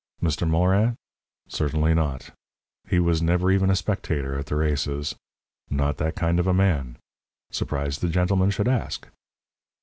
Mr. Morin? Certainly not. He was never even a spectator at the races. Not that kind of a man. Surprised the gentlemen should ask.